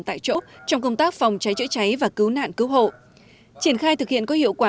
tại chỗ trong công tác phòng cháy chữa cháy và cứu nạn cứu hộ triển khai thực hiện có hiệu quả